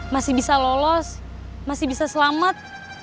masih bisa lolos masih bisa selamat